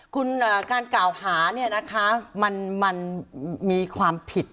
คุณการกราวหามันมีความผิด